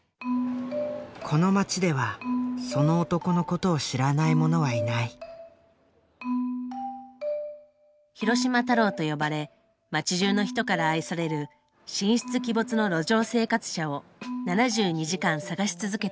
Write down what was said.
この町ではその男のことを知らない者はいない広島太郎と呼ばれ街じゅうの人から愛される神出鬼没の路上生活者を７２時間探し続けた回。